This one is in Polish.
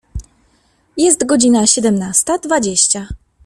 Jest godzina siedemnasta dwadzieścia.